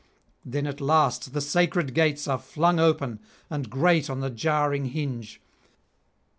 Then at last the sacred gates are flung open and grate on the jarring hinge.